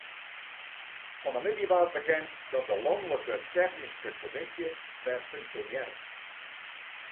Fan 'e middei waard bekend dat de lanlike technyske kommisje wer funksjonearret.